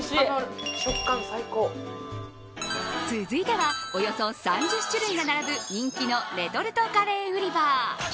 続いてはおよそ３０種類が並ぶ人気のレトルトカレー売り場。